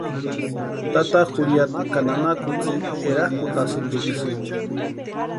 Tata jurhiata ka nana kutsï erakʼutasïntiksïni.